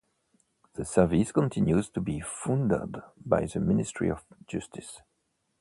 The service continues to be funded by the Ministry of Justice.